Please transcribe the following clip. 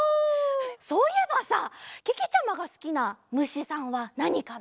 そういえばさけけちゃまがすきなむしさんはなにかな？